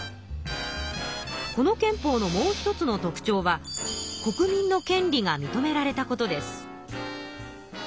この憲法のもう一つの特ちょうは国民の権利が認められたことです。